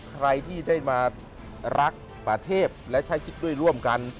ใครที่ได้มารักป่าเทพและใช้ชีวิตด้วยร่วมกัน